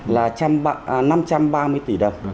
là năm trăm ba mươi tỷ đồng